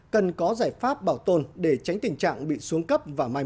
cần có giải pháp bảo tồn để tránh tình trạng bị xuống cấp vào mai một